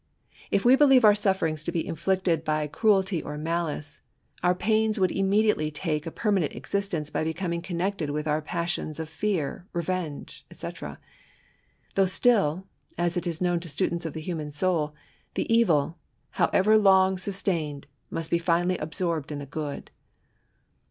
If we believed our sufferings to be inflicted by cruelty or malice, our pains 8 B98ATS. would immediately take a permanent existence hj booming connected with our passions of fear, revenge, &e.; diough stiU Tas is known to students of the human soul, — ^the evil, however long supr taiined, must be finally absorbed in the good.